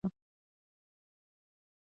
چې د دېولۍ خورشېد علي امير صېب پرون وفات شۀ